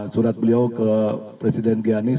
surat beliau ke presiden pianis